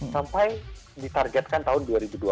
sampai ditargetkan tahun dua ribu dua puluh